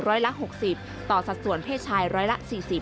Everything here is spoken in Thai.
ละ๖๐ต่อสัดส่วนเพศชายร้อยละ๔๐